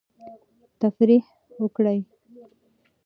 تفریح وکړئ.